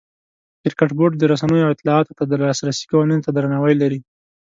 کرکټ بورډ د رسنیو او اطلاعاتو ته د لاسرسي قوانینو ته درناوی لري.